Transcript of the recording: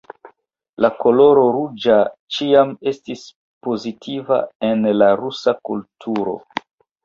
La koloro ruĝa ĉiam estis pozitiva en la rusa kulturo.